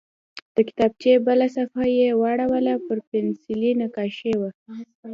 د کتابچې بله صفحه یې واړوله چې پنسلي نقاشي وه